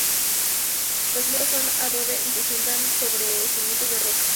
Los muros son de adobe y se asientan sobre cimientos de rocas.